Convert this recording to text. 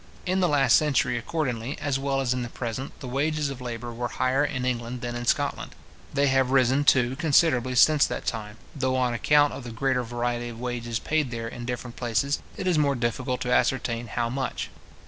In the last century, accordingly, as well as in the present, the wages of labour were higher in England than in Scotland. They have risen, too, considerably since that time, though, on account of the greater variety of wages paid there in different places, it is more difficult to ascertain how much.